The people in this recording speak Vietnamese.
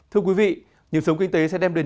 thưa quý vị nhiệm sống kinh tế sẽ đem đến